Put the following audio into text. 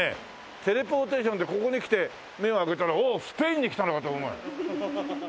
テレポーテーションでここに来て目を開けたらスペインに来たのかと思うよ。